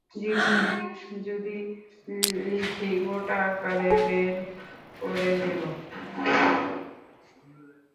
জীবনী যদি লিখি গোটা আকারে বের করে দেব।